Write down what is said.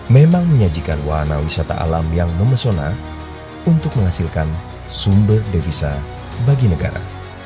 memang menyajikan wahana wisata alam yang memesona untuk menghasilkan sumber devisa bagi negara